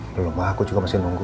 belum aku juga masih nunggu